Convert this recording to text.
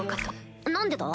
何でだ？